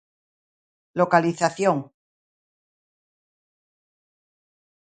Localización.